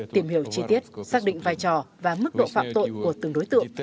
tìm hiểu chi tiết xác định vai trò và mức độ phạm tội của từng đối tượng